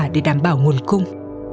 để đảm bảo nguồn cung